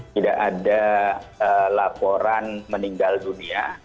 tidak ada laporan meninggal dunia